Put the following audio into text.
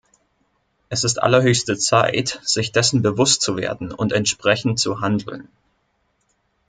Es ist allerhöchste Zeit, sich dessen bewusst zu werden und entsprechend zu handeln.